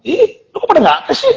iih kok pada ga kesih gitu